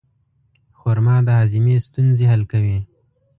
خرما د هاضمې ستونزې حل کوي.